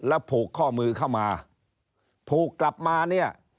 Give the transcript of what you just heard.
แล้วผูกข้อมือเข้ามาผูกกลับมาเนี่ย